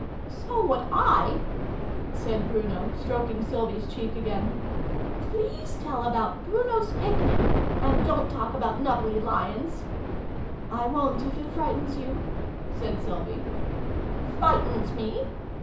" So would /," said Brunp, stroking Sylvie's cheek again. "Please tell about Bruno's Pic nic ; and don't talk about nubbly Lions !"" I won't, if it frightens you," said Sylvie. " Flightens me